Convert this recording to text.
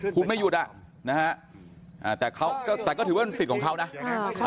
พูดไม่หยุดอ่ะนะฮะแต่ก็ถือว่าเป็นสิทธิ์ของเขานะ